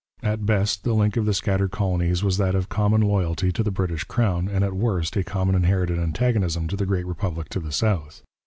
At best the link of the scattered colonies was that of common loyalty to the British crown, and at worst a common inherited antagonism to the great republic to the south.